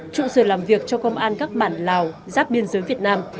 trụ sở làm việc cho công an các bản lào giáp biên giới việt nam